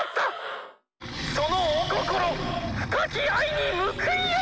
そのお心深き愛に報いよう！」。